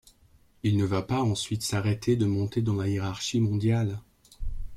Il ne va pas ensuite s'arrêter de monter dans la hiérarchie mondiale.